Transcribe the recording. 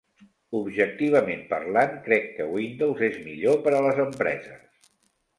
Objectivament parlant, crec que Windows és millor per a les empreses.